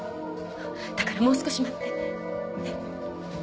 だからもう少し待ってねっ。